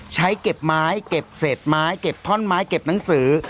ใช้เก็บไม้เก็บเศษไม้เก็บท่อนไม้เก็บหนังสือ